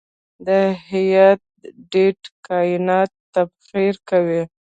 د هیټ ډیت کائنات تبخیر کوي.